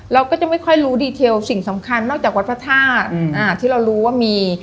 เราก็จะไม่ค่อยรู้ดีเทลสิ่งสำคัญนอกจากวัดพระธาตุที่เรารู้ว่ามี